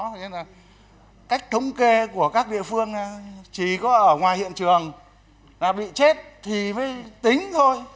thế nên là cách thống kê của các địa phương chỉ có ở ngoài hiện trường là bị chết thì mới tính thôi